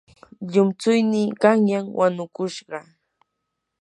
llumtsuynii qanyan wanukushqa.